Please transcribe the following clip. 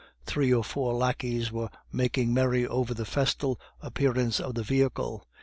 Three or four lackeys were making merry over the festal appearance of the vehicle.